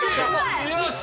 ◆よし！